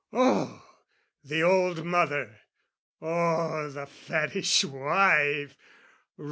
Oh, the old mother, oh, the fattish wife!